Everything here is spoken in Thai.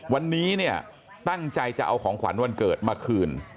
วันนี้เนี่ยตั้งใจจะเอาของขวัญวันเกิดมาคืน